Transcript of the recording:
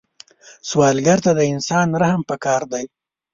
سوالګر ته د انسان رحم پکار دی